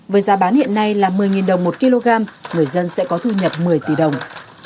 với giá bán hiện nay là một mươi đồng một kg người dân sẽ có thu nhập một mươi tỷ đồng